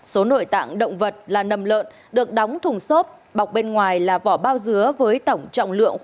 số nội tạng động vật là nầm lợn được đóng thùng xốp bọc bên ngoài là vỏ bạc